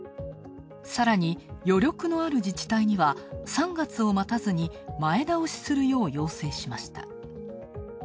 さらに余力のある自治体には３月を待たずに前倒しするよう要請しました。